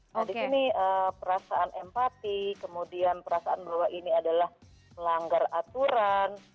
nah di sini perasaan empati kemudian perasaan bahwa ini adalah melanggar aturan